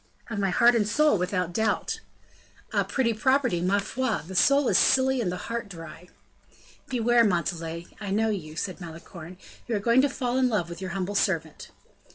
"Of my heart and soul, without doubt." "A pretty property! ma foi! The soul is silly and the heart dry." "Beware, Montalais, I know you," said Malicorne; "you are going to fall in love with your humble servant."